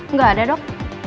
nggak ada dok